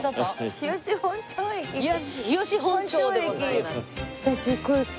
日吉本町でございます。